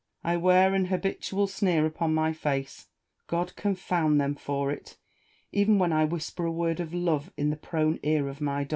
I wear an habitual sneer upon my face, God confound them for it ! even when I whisper a word of love in the prone ear of my donna.